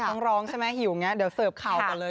ต้องร้องใช่ไหมเห็นไหมเสิร์ฟข่าวกันเลย